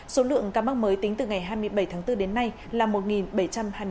số lượng ca mắc mới tính từ ngày hai mươi bảy tháng bốn đến nay là một bảy trăm hai mươi ca